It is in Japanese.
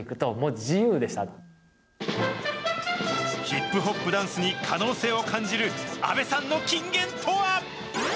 ヒップホップダンスに可能性を感じる阿部さんの金言とは？